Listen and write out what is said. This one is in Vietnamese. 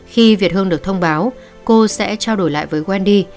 khi việt hương được thông báo cô sẽ trao đổi lại với quen đi